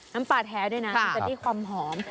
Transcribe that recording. น้ำปลาแท้ด้วยนะมันจะได้ความหอม